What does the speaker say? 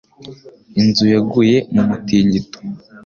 Inzu yaguye mu mutingito.